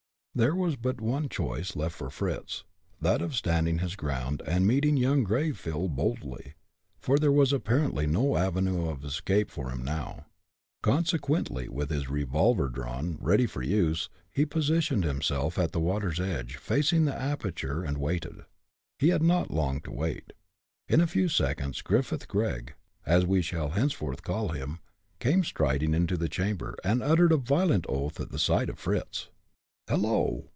There was but one choice left for Fritz that of standing his ground and meeting young Greyville boldly; for there was apparently no avenue of escape for him now. Consequently, with his revolver drawn, ready for use, he positioned himself at the water's edge, facing the aperture, and waited. He had not long to wait. In a few seconds Griffith Gregg as we shall henceforth call him came striding into the chamber, and uttered a violent oath at sight of Fritz. "Hello!